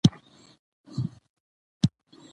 افغانستان د نمک کوربه دی.